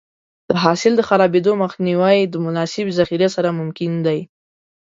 د حاصل د خرابېدو مخنیوی د مناسبې ذخیرې سره ممکن دی.